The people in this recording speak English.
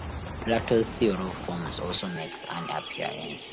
Plato's theory of forms also makes an appearance.